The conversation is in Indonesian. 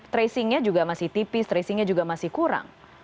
tracingnya juga masih tipis tracingnya juga masih kurang